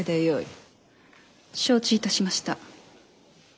承知いたしました。